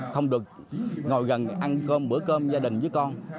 không được ngồi gần ăn cơm bữa cơm gia đình với con